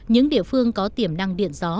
những địa phương có tiềm năng điện gió